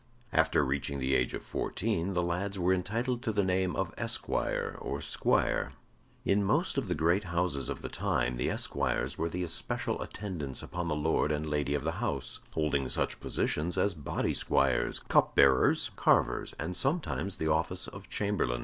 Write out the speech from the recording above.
After reaching the age of fourteen the lads were entitled to the name of esquire or squire. In most of the great houses of the time the esquires were the especial attendants upon the Lord and Lady of the house, holding such positions as body squires, cup bearers, carvers, and sometimes the office of chamberlain.